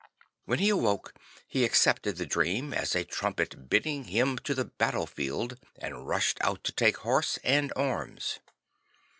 When he awoke he accepted the dream as a trumpet bidding him to the battlefield, and rushed out to take horse and arms.